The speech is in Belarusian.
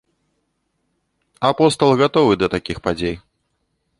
Апостал гатовы да такіх падзей.